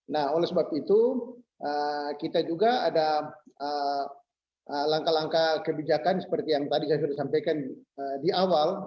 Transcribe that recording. nah oleh sebab itu kita juga ada langkah langkah kebijakan seperti yang tadi saya sudah sampaikan di awal